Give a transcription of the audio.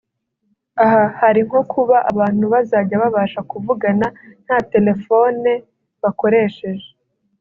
Aha hari nko kuba abantu bazajya babasha kuvugana nta telephone bakoresheje